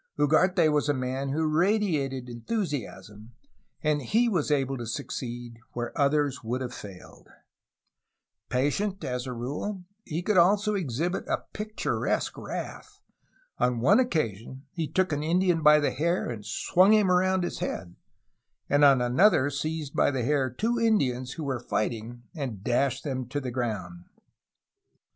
Ugarte was a man who radiated enthusiasm, and he wa s able to succeed where others would have failed. THE JESUITS IN BAJA CALIFORNIA, 1697 1768 179 Patient as a rule, he could also exhibit a picturesque wrath. On one occasion he took an Indian by the hair and swung him around his head, and on another seized by the hair two Indians who were fighting and dashed them to the ground.